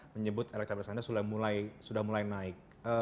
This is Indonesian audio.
menyebut elektabilitas anda sudah mulai naik